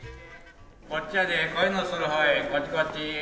こっちやで、声のする方へ、こっち、こっち。